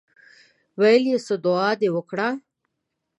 ویل یې څه دعا دې وکړه.